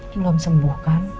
belum sembuh kan